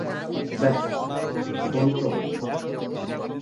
ব্যস খোল তো!